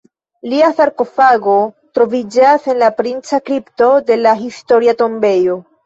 Lia sarkofago troviĝas en la Princa kripto de la historia tombejo.